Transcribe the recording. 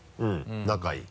仲いい？